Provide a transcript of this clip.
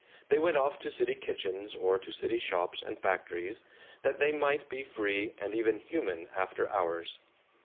They went off to city kitchens, or to city shops and factories, that they might be free and even human after hours.